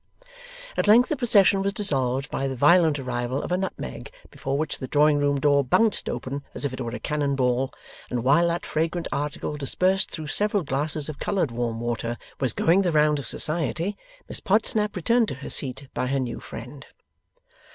At length the procession was dissolved by the violent arrival of a nutmeg, before which the drawing room door bounced open as if it were a cannon ball; and while that fragrant article, dispersed through several glasses of coloured warm water, was going the round of society, Miss Podsnap returned to her seat by her new friend.